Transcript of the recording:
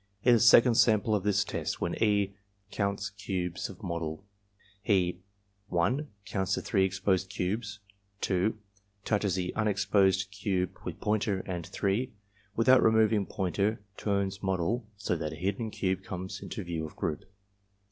In the second sample of this test, when E. counts cubes of model he (1) counts the three exposed cubes; (2) touches the unexposed cube with pointer; and (3) without removing pointer turns model, so that hidden cube comes into view of group.